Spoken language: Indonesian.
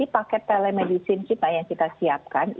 paket telemedicine kita yang kita siapkan